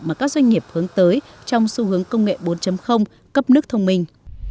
mà các doanh nghiệp hướng tới trong xu hướng công nghệ bốn cấp nước thông minh